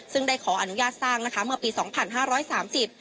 ซึ่งได้ขออนุญาตสร้างนะคะเมื่อปีสองพันห้าร้อยสามสิบ